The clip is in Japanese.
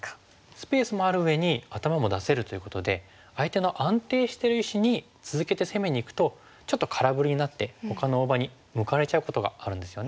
スペースもあるうえに頭も出せるということで相手の安定している石に続けて攻めにいくとちょっと空振りになってほかの大場に向かわれちゃうことがあるんですよね。